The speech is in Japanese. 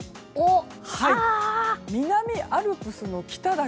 南アルプスの北岳。